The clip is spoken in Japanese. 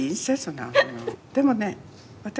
でもね私ね